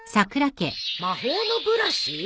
魔法のブラシ？